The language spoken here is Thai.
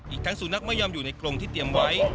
อีกทั้งสุนัขไม่ยอมอยู่ในกรงที่เตรียมไว้